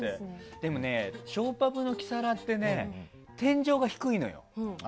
でもね、ショーパブのキサラって天井が低いのよ。